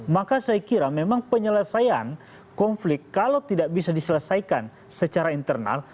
maka saya kira memang penyelesaian konflik kalau tidak bisa diselesaikan secara internal